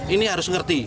ini harus ngerti